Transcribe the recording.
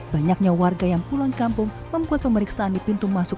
banyaknya warga yang pulang kampung membuat pemeriksaan di pintu masuk